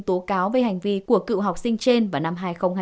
tố cáo về hành vi của cựu học sinh trên vào năm hai nghìn hai mươi